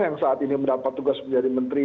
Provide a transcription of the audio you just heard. yang saat ini mendapat tugas menjadi menteri